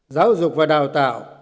giáo dục và đào tạo